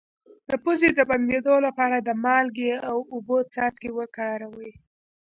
د پوزې د بندیدو لپاره د مالګې او اوبو څاڅکي وکاروئ